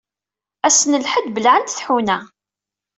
Ass n lḥedd, bellɛent tḥuna.